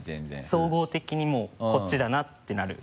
総合的にもうこっちだなってなる。